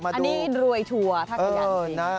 อันนี้รวยชัวร์ถ้าขยันดีนะ